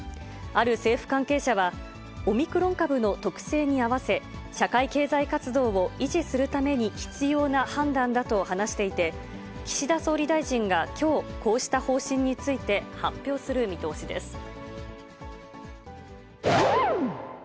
ある政府関係者は、オミクロン株の特性に合わせ、社会経済活動を維持するために必要な判断だと話していて、岸田総理大臣がきょう、こうした方針について発表する見通しです。